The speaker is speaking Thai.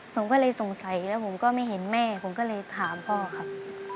ผมก็เลยสงสัยแล้วผมก็ไม่เห็นแม่ผมก็เลยถามพ่อครับ